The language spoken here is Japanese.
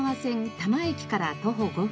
多磨駅から徒歩５分